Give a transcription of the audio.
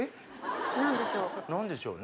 何でしょう？